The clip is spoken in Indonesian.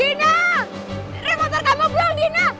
dina rem motor kamu belum dina